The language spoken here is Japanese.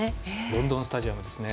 ロンドンスタジアムですね。